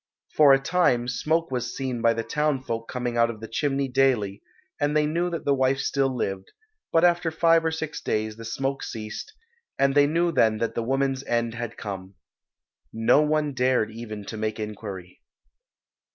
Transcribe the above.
For a time smoke was seen by the town folk coming out of the chimney daily, and they knew that the wife still lived, but after five or six days the smoke ceased, and they knew then that the woman's end had come. No one dared even to make inquiry.